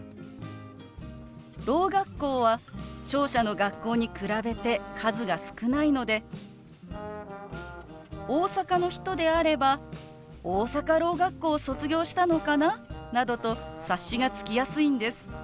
ろう学校は聴者の学校に比べて数が少ないので大阪の人であれば大阪ろう学校を卒業したのかななどと察しがつきやすいんです。